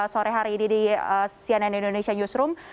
sore hari ini di cnn indonesia newsroom